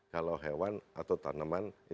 kalau hewan atau tanaman